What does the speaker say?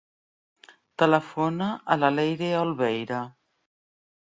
Telefona a la Leire Olveira.